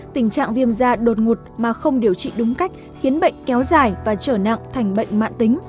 tình trạng viêm da đột ngột mà không điều trị đúng cách khiến bệnh kéo dài và trở nặng thành bệnh mạng tính